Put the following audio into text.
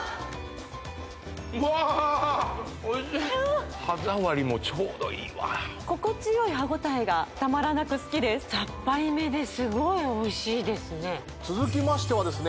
うわおいしい歯触りもちょうどいいわ心地よい歯応えがたまらなく好きです続きましてはですね